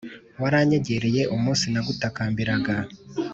Waranyegereye umunsi nagutakambiraga,